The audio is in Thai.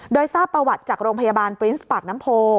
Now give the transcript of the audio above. โดยทราบประวัติจากโรงพยาบาลปรินส์ปากน้ำโพ